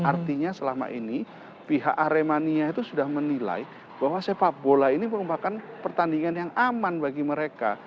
artinya selama ini pihak aremania itu sudah menilai bahwa sepak bola ini merupakan pertandingan yang aman bagi mereka